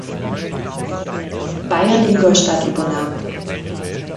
Bayern-Ingolstadt übernahm.